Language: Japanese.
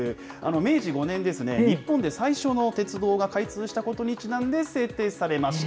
明治５年、日本で最初の鉄道が開通したことにちなんで制定されました。